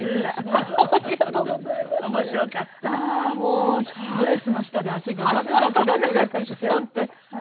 もうドレスの下で足がガクガクガクガクしちゃって。